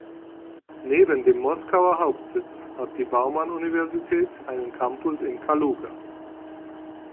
Neben dem Moskauer Hauptsitz hat die Bauman-Universität einen Campus in Kaluga.